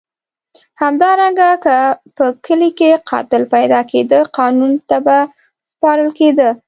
همدارنګه که په کلي کې قاتل پیدا کېده قانون ته به سپارل کېد.